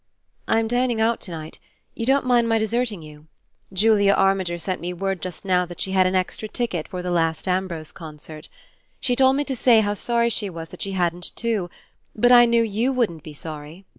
"I'm dining out to night you don't mind my deserting you? Julia Armiger sent me word just now that she had an extra ticket for the last Ambrose concert. She told me to say how sorry she was that she hadn't two but I knew YOU wouldn't be sorry!"